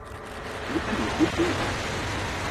luka li tu tu wan.